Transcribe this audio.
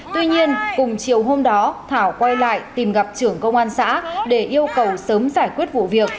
tuy nhiên cùng chiều hôm đó thảo quay lại tìm gặp trưởng công an xã để yêu cầu sớm giải quyết vụ việc